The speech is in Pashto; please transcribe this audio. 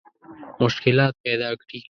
مشکلات پیدا کړي.